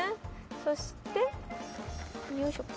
そしてよいしょ。